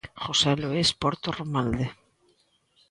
José Luís Porto Romalde.